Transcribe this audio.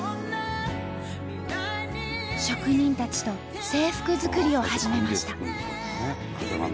職人たちと制服作りを始めました。